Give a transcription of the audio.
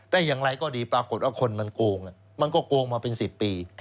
แต่อย่างไรก็ดีปรากฏว่าคนมันโกงมันก็โกงมาเป็น๑๐ปี